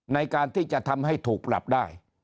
ในการที่จะทำให้ถูกปรับได้